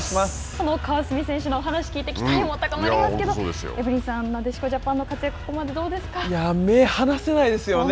川澄選手の話を聞いて期待も高まりますけどエブリンさん、なでしこジャパン目が離せないですよね。